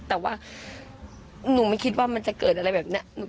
แต่ว่าหนูไม่คิดว่ามันจะเกิดอะไรแบบนี้